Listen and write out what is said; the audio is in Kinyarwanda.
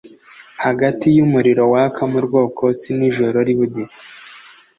hagati y’umuriro waka, mu rwokotsi n’ijoro ribuditse;